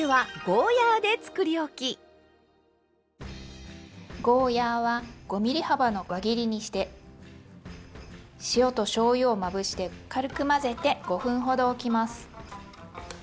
ゴーヤーは５ｍｍ幅の輪切りにして塩としょうゆをまぶして軽く混ぜて５分ほどおきます。